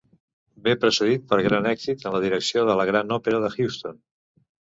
Ve precedit per gran èxit en la direcció de la Gran Òpera de Houston.